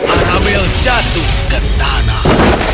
arabel jatuh ke tanah